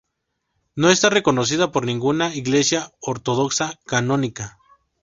No está reconocida por ninguna Iglesia ortodoxa canónica.